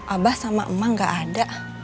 abah sama emang ga ada